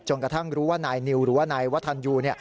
กระทั่งรู้ว่านายนิวหรือว่านายวัฒนยู